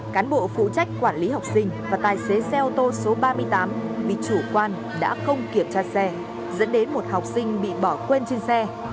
cán bộ phụ trách quản lý học sinh và tài xế xe ô tô số ba mươi tám bị chủ quan đã không kiểm tra xe dẫn đến một học sinh bị bỏ quên trên xe